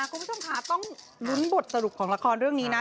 คุณผู้ชมค่ะต้องลุ้นบทสรุปของละครเรื่องนี้นะ